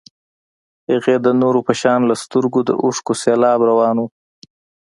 هغې د نورو په شان له سترګو د اوښکو سېلاب روان و.